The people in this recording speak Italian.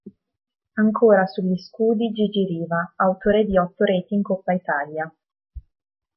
Ancora sugli scudi Gigi Riva autore di otto reti in Coppa Italia.